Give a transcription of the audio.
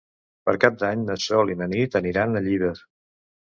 Per Cap d'Any na Sol i na Nit aniran a Llíber.